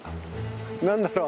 何だろう